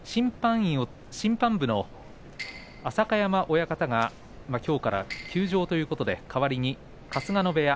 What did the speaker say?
審判部の浅香山親方がきょうから休場ということで代わりに春日野部屋